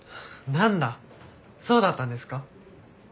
そうだったんですか。